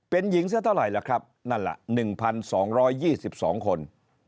เป็นหญิงซะเท่าไหร่ล่ะครับนั่นล่ะ๑๒๒คน